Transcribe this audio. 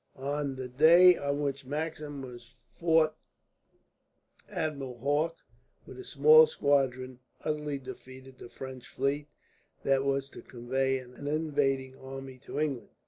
On the day on which Maxim was fought Admiral Hawke, with a small squadron, utterly defeated the French fleet that was to convey an invading army to England.